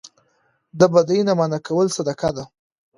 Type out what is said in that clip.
د بدۍ نه منع کول صدقه ده